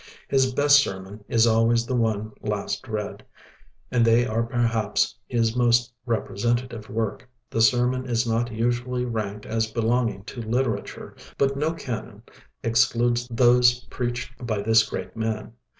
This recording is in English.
His best sermon is always the one last read; and they are perhaps his most representative work. The sermon is not usually ranked as belonging to literature, but no canon excludes those preached by this great man.